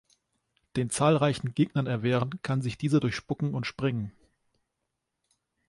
Den zahlreichen Gegnern erwehren kann sich dieser durch Spucken und Springen.